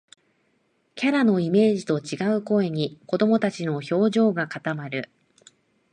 キャラのイメージと違う声に、子どもたちの表情が固まる